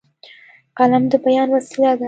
قلم د بیان وسیله ده.